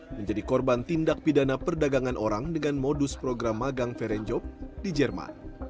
menjadi korban tindak pidana perdagangan orang dengan modus program magang ferenjob di jerman